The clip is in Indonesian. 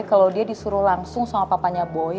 kalau dia disuruh langsung sama papanya boy